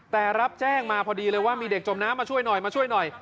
แต่รับแจ้งมาพอดีเลยว่ามีเด็กจมน้ำมาช่วยหน่อยมาช่วยหน่อย